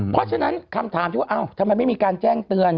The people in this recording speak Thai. เพราะฉะนั้นคำถามที่ว่าทำไมไม่มีการแจ้งเตือน